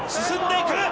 進んでいく！